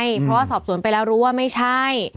เพราะว่าสอบสวนไปแล้วรู้ว่าไม่ใช่